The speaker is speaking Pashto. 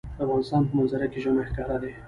د افغانستان په منظره کې ژمی ښکاره ده.